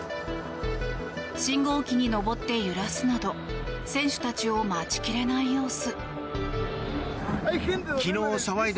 信号機に登って揺らすなど選手たちを待ち切れない様子。